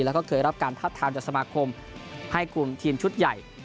แล้วก็เคยรับการทับทามจากสมาคมให้กลุ่มทีมชุดใหญ่